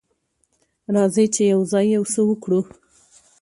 راځئ چې یوځای یو څه وکړو.